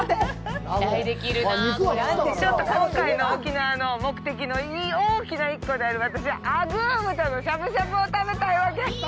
ちょっと今回の沖縄の目的の大きな１個である私、アグー豚のしゃぶしゃぶを食べたいわけ。